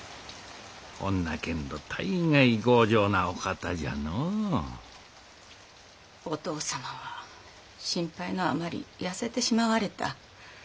ほんなけんど大概強情なお方じゃのうお父様は心配のあまり痩せてしまわれた。